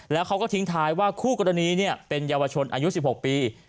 แล้วเขาก็ทิ้งท้ายว่าคู่กรณีเป็นเยาวชนอายุ๑๖ปี